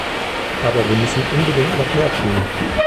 Aber wir müssen unbedingt noch mehr tun.